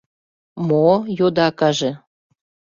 — Мо? — йодо акаже.